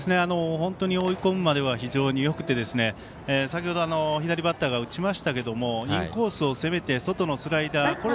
本当に追い込むまでは非常によくて先ほど左バッターが打ちましたがインコースを攻めて外のスライダー。